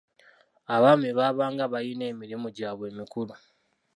Abaami baabanga balina emirimu gyabwe emikulu.